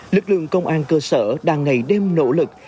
lực lượng công an cơ sở đang ngày đêm nỗ lực